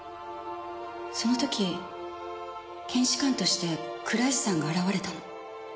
その時検視官として倉石さんが現れたの。